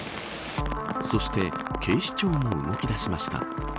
そして警視庁も動き出しました。